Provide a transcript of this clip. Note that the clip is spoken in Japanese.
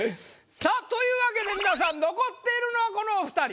さあというわけで皆さん残っているのはこのお２人。